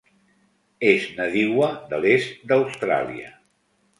És nadiua de l'est d'Austràlia.